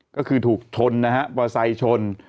ก็คือถูกชนนะฮะประวัติศาสตร์ชน